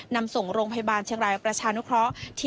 นำส่งโรงพยาบาลเชียงรายประชานุเคราะห์